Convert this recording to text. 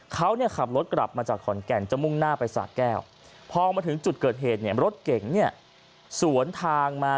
เขาขับรถกลับมาจากขอนแก่งจมุ่งหน้าไปสระแก้วพอมาถึงจุดเกิดเหตุรถเก่งสวนทางมา